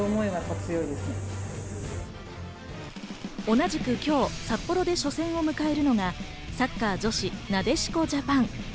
同じく今日、札幌で初戦を迎えるのがサッカー女子なでしこジャパン。